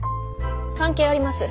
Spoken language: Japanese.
関係あります。